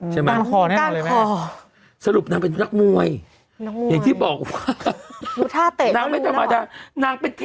ใช่ไหมต้านคอแน่นอนเลยแม่งต้านคอ